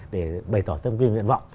để bày tỏ tâm quyền nguyện vọng